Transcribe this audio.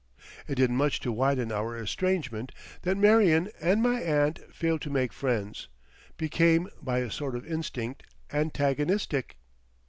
It did much to widen our estrangement that Marion and my aunt failed to make friends, became, by a sort of instinct, antagonistic.